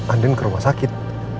andin ke rumah sakit